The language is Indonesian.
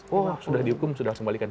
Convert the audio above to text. wah sudah dihukum sudah kembalikan